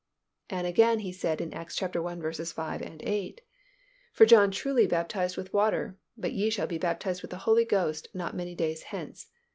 And again He said in Acts i. 5, 8, "For John truly baptized with water; but ye shall be baptized with the Holy Ghost not many days hence....